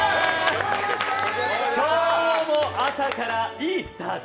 今日も朝からいいスタート。